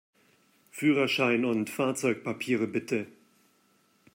Führerschein und Fahrzeugpapiere, bitte!